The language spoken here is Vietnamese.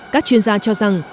các chuyên gia cho rằng